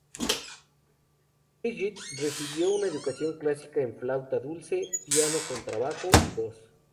Birgit recibió una educación clásica en flauta dulce, piano, contrabajo y voz.